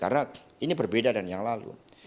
karena ini berbeda dari yang lalu